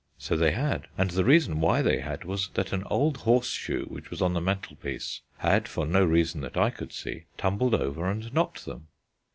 So they had: and the reason why they had was that an old horseshoe which was on the mantelpiece had, for no reason that I could see, tumbled over and knocked them.